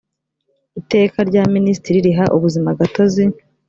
iteka rya minisitiri riha ubuzimagatozi